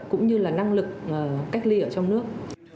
cũng như là năng lực cách ly ở trong nước